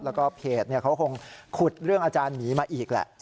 แล้วก็เพจเขาคงขุดเรื่องอาจารย์หมีมาอีกแหละ